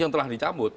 yang telah dicabut